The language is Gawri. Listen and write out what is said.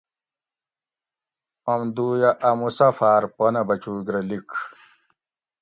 اوم دُویٞہ اٞ مُسافاٞر پنہ بچُوگ رہ لِیڄ